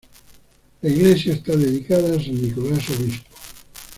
La iglesia está dedicada a san Nicolás Obispo.